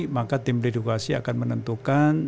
maka tim edukasi akan menentukan